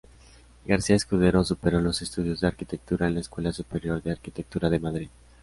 García-Escudero superó los estudios de arquitectura en la Escuela Superior de Arquitectura de Madrid.